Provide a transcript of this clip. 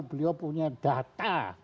beliau punya data